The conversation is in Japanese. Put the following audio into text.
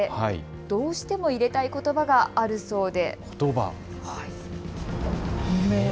どうしても入れたいことばがあるそうで。